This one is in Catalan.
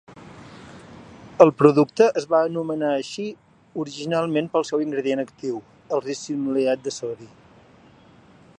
El producte es va anomenar així originalment pel seu ingredient actiu, el ricinoleat de sodi.